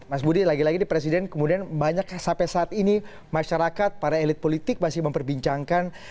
mas budi lagi lagi di presiden kemudian banyak sampai saat ini masyarakat para elit politik masih memperbincangkan